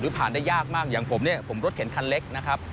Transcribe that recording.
ผ่านได้ยากมากอย่างผมเนี่ยผมรถเข็นคันเล็กนะครับ